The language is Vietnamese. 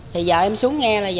thì vợ em xuống nghe là